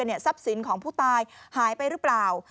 ทรัพย์สินของผู้ตายหายไปหรือเปล่า